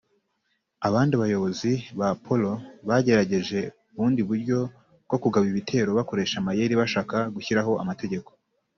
Abandi bayobozi ba Poro bagerageje ubundi buryo bwo kugaba ibitero bakoresha amayeri bashaka gushyiraho amategeko